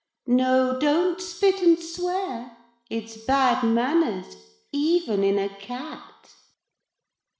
No, don't spit and swear. It's bad manners even in a cat.'